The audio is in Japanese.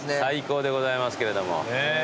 最高でございますけれども。